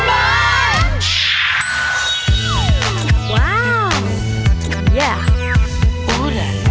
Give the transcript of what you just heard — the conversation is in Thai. แม่ฝากชั้นบอร์น